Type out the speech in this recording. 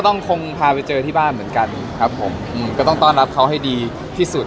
ต้องคงพาไปเจอที่บ้านเหมือนกันครับผมก็ต้องต้อนรับเขาให้ดีที่สุด